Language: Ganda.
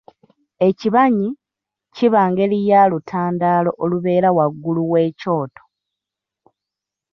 Ekibanyi, kiba ngeri ya lutandaalo olubeera waggulu w'ekyoto.